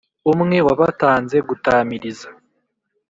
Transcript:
umwe wabatanze gutamiriza